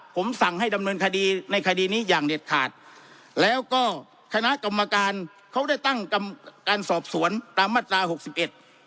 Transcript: ผมสั่งให้ดำเนินคดีในคดีนี้อย่างเด็ดขาดแล้วก็คณะกรรมการเขาได้ตั้งกรรมการสอบสวนตามมาตราหกสิบเอ็ด